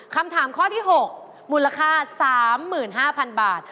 คำถามข้อที่๖มูลค่า๓๕๐๐๐บาท